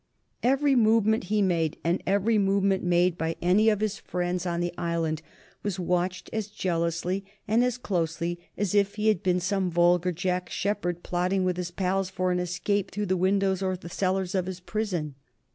Every movement he made and every movement made by any of his friends on the island was watched as jealously and as closely as if he had been some vulgar Jack Sheppard plotting with his pals for an escape through the windows or the cellars of his prison.